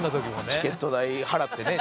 チケット代払ってね